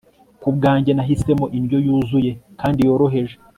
Kubwanjye nahisemo indyo yuzuye kandi yoroheje